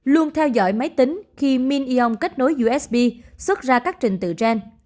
luôn theo dõi máy tính khi mineon kết nối usb xuất ra các trình tự gen